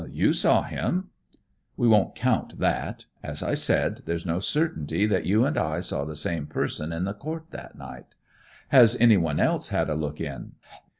"You saw him." "We won't count that. As I said, there's no certainty that you and I saw the same person in the court that night. Has anyone else had a look in?"